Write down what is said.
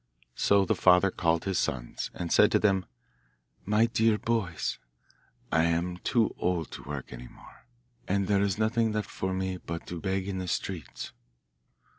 So the father called his sons, and said to them, ' My dear boys, I am too old to work any more, and there is nothing left for me but to beg in the streets.